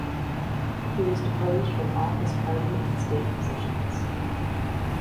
He was deposed from all his party and state positions.